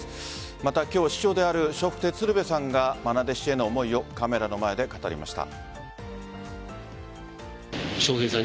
また今日、師匠である笑福亭鶴瓶さんがまな弟子への思いをカメラの前で語りました。